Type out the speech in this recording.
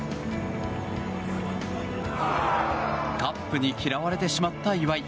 カップに嫌われてしまった岩井。